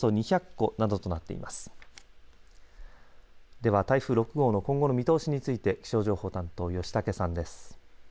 では、台風６号の今後の見通しについて気象情報担当、吉竹さんです。